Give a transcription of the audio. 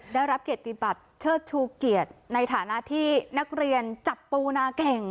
ได้รับเกียรติบัติเชิดชูเกียรติในฐานะที่นักเรียนจับปูนาเก่ง